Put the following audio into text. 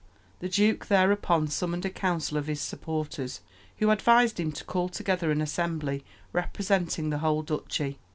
The duke thereupon summoned a council of his supporters, who advised him to call together an assembly representing the whole duchy.